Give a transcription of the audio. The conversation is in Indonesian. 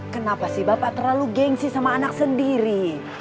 kenapa sih bapak terlalu gengsi sama anak sendiri